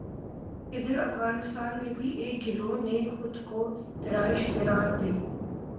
ادھر افغانستان میں بھی ایک گروہ نے خود کو داعش قرار دے